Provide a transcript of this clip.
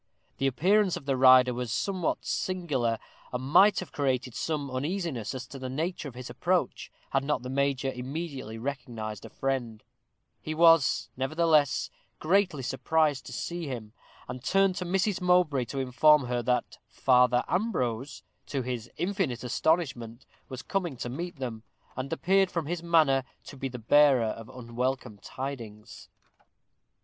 The appearance of the rider was somewhat singular, and might have created some uneasiness as to the nature of his approach, had not the major immediately recognized a friend; he was, nevertheless, greatly surprised to see him, and turned to Mrs. Mowbray to inform her that Father Ambrose, to his infinite astonishment, was coming to meet them, and appeared, from his manner, to be the bearer of unwelcome tidings.